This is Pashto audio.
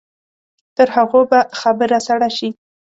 تر هغو به خبره سړه شي.